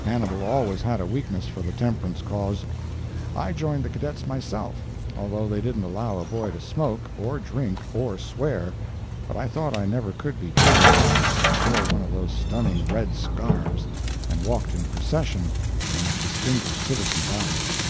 Hannibal always had a weakness for the Temperance cause. I joined the Cadets myself, although they didn't allow a boy to smoke, or drink or swear, but I thought I never could be truly happy till I wore one of those stunning red scarfs and walked in procession when a distinguished citizen died.